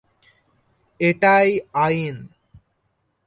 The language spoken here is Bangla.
এটাই আইন।